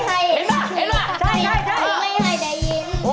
ความรักจะไกลสิทธิ์จำนวนรักไม่ให้ได้ยิน